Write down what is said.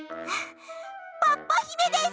ポッポひめです！